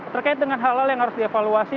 terkait dengan hal hal yang harus dievaluasi